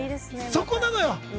そこなのよ。